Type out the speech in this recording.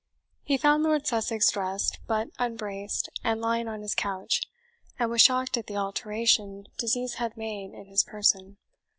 He found Lord Sussex dressed, but unbraced, and lying on his couch, and was shocked at the alteration disease had made in his person.